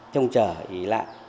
trông chở ý lạ